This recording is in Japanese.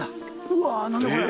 うわ何だこれ。